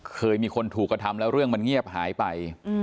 เคยมีคนถูกกระทำแล้วเรื่องมันเงียบหายไป